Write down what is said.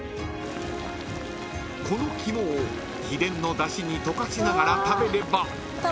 ［この肝を秘伝のダシに溶かしながら食べれば］